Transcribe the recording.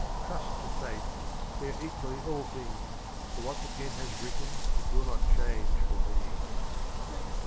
Trust to Fate, bear equally all things ; For what the Pen has written, it will not change for thee.